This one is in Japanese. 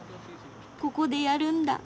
ここでやるんだ。